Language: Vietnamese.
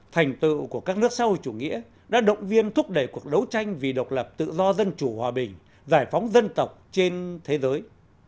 thành tựu của các nước xã hội chủ nghĩa đã động viên thúc đẩy cuộc đấu tranh vì độc lập tự do dân chủ hòa bình giải phóng dân tộc trên thế giới